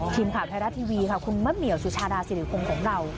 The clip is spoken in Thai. ทีมข่าวไทยรัฐทีวีค่ะคุณมะเหมียวสุชาดาศิริคงของเรา